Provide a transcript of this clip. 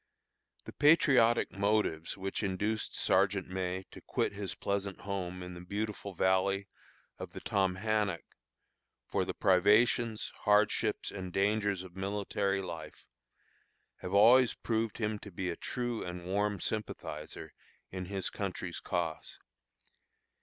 The patriotic motives which induced Sergeant May to quit his pleasant home in the beautiful valley of the Tomhannock, for the privations, hardships, and dangers of military life, have always proved him to be a true and warm sympathizer in his country's cause.